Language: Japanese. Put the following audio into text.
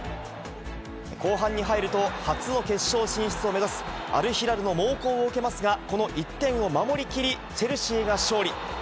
後半に入ると、初の決勝進出を目指すアルヒラルの猛攻を受けますが、この１点を守りきり、チェルシーが勝利。